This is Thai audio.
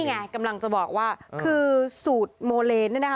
ไงกำลังจะบอกว่าคือสูตรโมเลนเนี่ยนะคะ